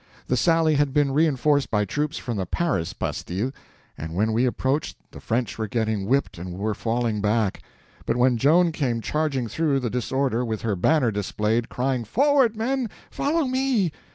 The sally had been reinforced by troops from the "Paris" bastille, and when we approached the French were getting whipped and were falling back. But when Joan came charging through the disorder with her banner displayed, crying "Forward, men—follow me!"